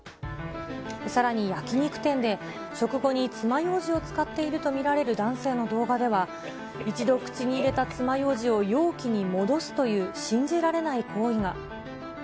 さらに、焼き肉店で食後につまようじを使っていると見られる男性の動画では、一度口に入れたつまようじを容器に戻すという信じられない行為が。